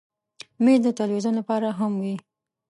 مېز د تلویزیون لپاره هم وي.